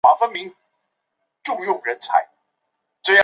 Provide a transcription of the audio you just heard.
同时奥罗莫语也是衣索比亚最多人使用的语言。